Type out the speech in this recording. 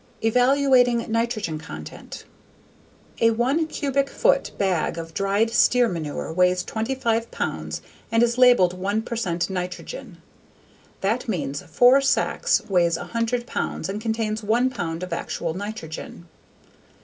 Evaluating Nitrogen Content A one cubic foot bag of dried steer manure weighs 25 pounds and is labeled 1 percent nitrogen. That means four sacks weighs 100 pounds and contains 1 pound of actual nitrogen.